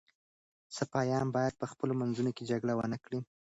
سپایان باید په خپلو منځونو کي جګړه ونه کړي.